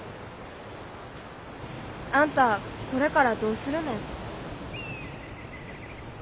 あんたこれからどうするね？